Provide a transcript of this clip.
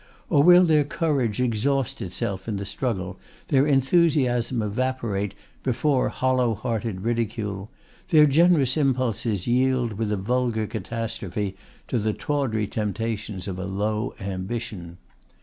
Or will their courage exhaust itself in the struggle, their enthusiasm evaporate before hollow hearted ridicule, their generous impulses yield with a vulgar catastrophe to the tawdry temptations of a low ambition?